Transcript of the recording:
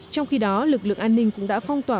trong khi đó lực lượng an ninh cũng đã phong tỏa